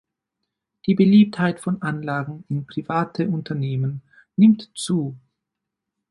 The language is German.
Die Beliebtheit von Anlagen in private Unternehmen nimmt zu.